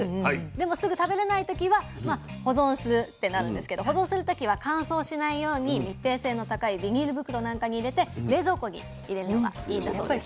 でもすぐ食べれない時は保存するってなるんですけど保存する時は乾燥しないように密閉性の高いビニール袋なんかに入れて冷蔵庫に入れるのがいいんだそうです。